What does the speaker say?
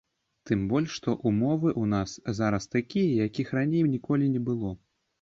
Тым больш што ў мовы ў нас зараз такія, якіх раней ніколі не было.